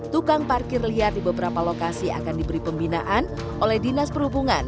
tukang parkir liar di beberapa lokasi akan diberi pembinaan oleh dinas perhubungan